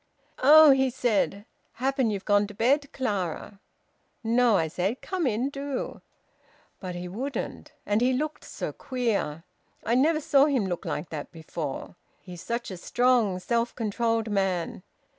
`Oh!' he said. `Happen you've gone to bed, Clara?' `No,' I said. `Come in, do!' But he wouldn't. And he looked so queer. I never saw him look like that before. He's such a strong self controlled man.